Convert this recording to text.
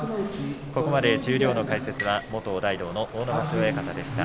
ここまで十両の解説は元大道の阿武松親方でした。